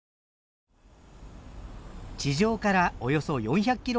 地上からおよそ４００キロメートル